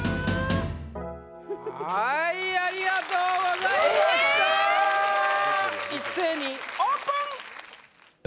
はいありがとうございました一斉にオープン！